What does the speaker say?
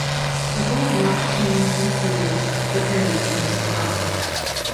A gold watch-chain, and seals, depended from his fob.